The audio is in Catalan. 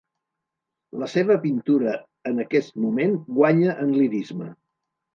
La seva pintura en aquest moment guanya en lirisme.